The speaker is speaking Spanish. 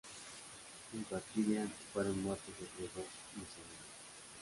Junto a Kilian fueron muertos otros dos misioneros.